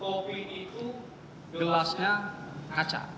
kopi itu gelasnya kaca